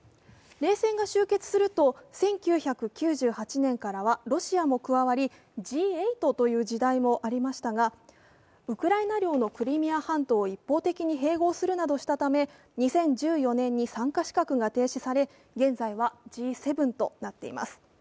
冷戦が終結すると、１９９８年からはロシアも加わり、Ｇ８という時代もありましたが、ウクライナ領のクリミア半島を一方的に併合するなどしたため２０１４年に参加資格が停止され現在はＧ７となっています。